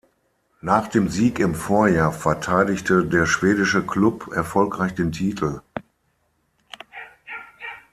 Nach dem Sieg im Vorjahr verteidigte der schwedische Klub erfolgreich den Titel.